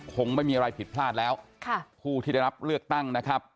คงไม่มีอะไรผิดพลาดแล้วค่ะผู้ที่ได้รับเลือกตั้งนะครับ